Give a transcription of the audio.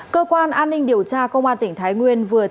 cơ quan an ninh điều tra công an tỉnh thái nguyên vừa